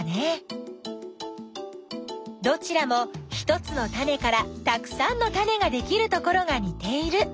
どちらも１つのタネからたくさんのタネができるところがにている。